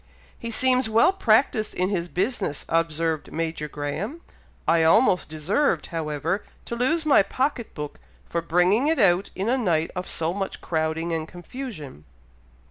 "He seems well practised in his business," observed Major Graham. "I almost deserved; however, to lose my pocket book for bringing it out in a night of so much crowding and confusion.